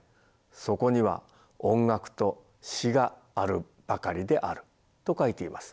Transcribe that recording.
そこには音楽と詩があるばかりである」と書いています。